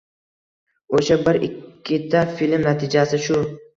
Oʻsha bir-ikkita film natijasi shu.